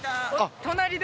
隣で。